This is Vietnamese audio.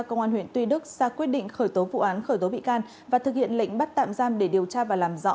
công an huyện tuy đức ra quyết định khởi tố vụ án khởi tố bị can và thực hiện lệnh bắt tạm giam để điều tra và làm rõ